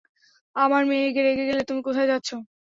আমার মেয়ে রেগে গেল, তুমি কোথায় যাচ্ছ?